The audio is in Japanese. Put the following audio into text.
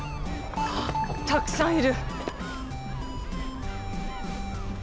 あったくさんいる。